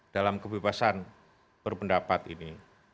dalam kebebasan berpendapat ini